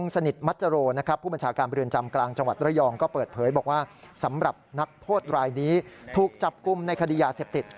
สำหรับนักโทษรายนี้ถูกจับกุมในคดียาเศรษฐิต